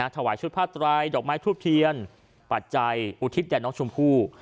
ถวายชุดผ้าไตรดอกไม้ทูบเทียนปัจจัยอุทิศแด่น้องชมพู่